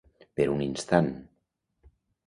Per un instant.